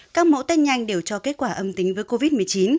các mẫu test nhanh đều cho kết quả âm tính với covid một mươi chín